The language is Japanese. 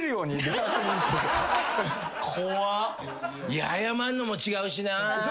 いや謝んのも違うしなぁ。